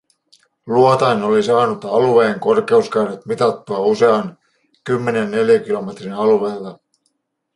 Luotain oli saanut alueen korkeuskäyrät mitattua usean kymmenen neliökilometrin alueelta.